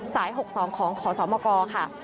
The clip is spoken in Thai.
๖๒ของขอสมกค่ะ